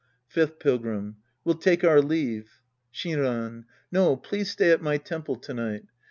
Fifth Pilgrim. We'll take our leave. Shinran. No, please stay at my temple to night.